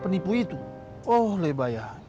penipu itu oh lebayah